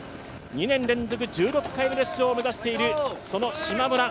２年連続１６回目の出場を目指しているしまむら。